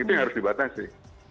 itu yang harus dibatasi